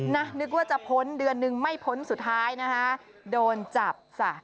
นึกว่าจะพ้นเดือนนึงไม่พ้นสุดท้ายนะคะโดนจับจ้ะ